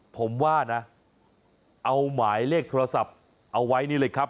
ผมว่านะเอาหมายเลขโทรศัพท์เอาไว้นี่เลยครับ